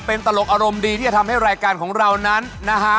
เป็นตลกอารมณ์ดีที่จะทำให้รายการของเรานั้นนะฮะ